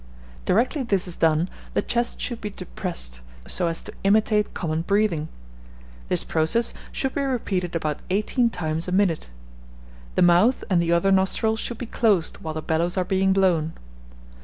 Directly this is done, the chest should be depressed, so as to imitate common breathing. This process should be repeated about eighteen times a minute. The mouth and the other nostril should be closed while the bellows are being blown.